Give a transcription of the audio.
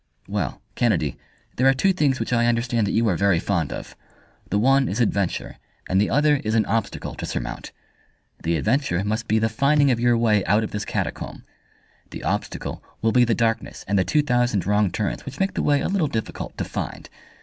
"Well, Kennedy, there are two things which I understand that you are very fond of. The one is adventure, and the other is an obstacle to surmount. The adventure must be the finding of your way out of this catacomb. The obstacle will be the darkness and the two thousand wrong turns which make the way a little difficult to find.